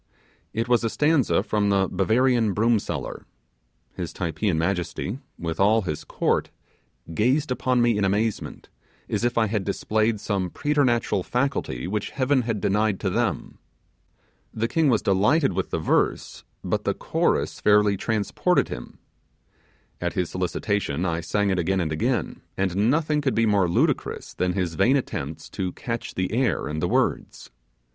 It was a stanza from the 'Bavarian broom seller'. His Typeean majesty, with all his court, gazed upon me in amazement, as if I had displayed some preternatural faculty which Heaven had denied to them. The King was delighted with the verse; but the chorus fairly transported him. At his solicitation I sang it again and again, and nothing could be more ludicrous than his vain attempts to catch the air and the words.